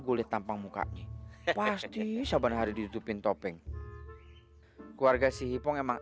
gue tampang mukanya pasti sabana hari ditutupin topeng keluarga sih hipong emang aneh banget